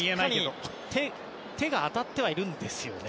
確かに手が当たってはいるんですよね。